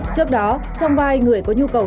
trước đó trong vai người có nhu cầu